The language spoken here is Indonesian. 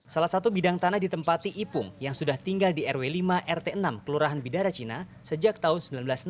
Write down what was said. salah satu bidang tanah ditempati ipung yang sudah tinggal di rw lima rt enam kelurahan bidara cina sejak tahun seribu sembilan ratus enam puluh